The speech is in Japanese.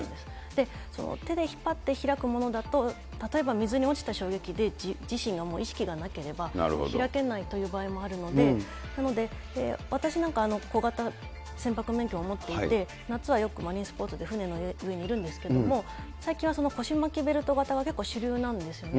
で、手で引っ張って開くものだと、例えば水に落ちた衝撃で自身がもう、意識がなければ開けないという場合もあるので、なので、私なんか、小型船舶免許も持っていて、夏はよくマリンスポーツで船の上にいるんですけれども、最近は腰巻きベルト型が主流なんですね。